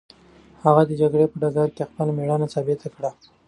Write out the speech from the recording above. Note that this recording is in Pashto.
هغه د جګړې په ډګر کې خپله مېړانه ثابته کړه.